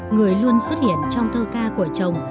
người luôn xuất hiện trong thơ ca của chồng